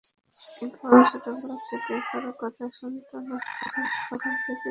ইকবাল ছোটবেলা থেকেই কারও কথা শুনত না, তখন থেকেই বেপরোয়া ছিল।